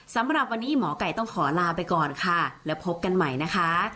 สำหรับวันนี้หมอไก่ต้องขอลาไปก่อนค่ะแล้วพบกันใหม่นะคะ